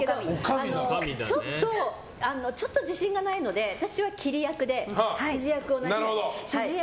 ちょっと自信がないので私は切り役で指示役をなっちゃんに。